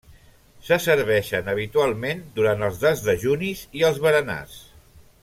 Se serveixen habitualment durant els desdejunis i els berenars.